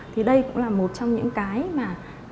thì đây cũng là một trong những cái mà